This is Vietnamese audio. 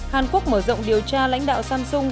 hàn quốc mở rộng điều tra lãnh đạo samsung